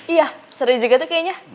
iya seri juga tuh kayaknya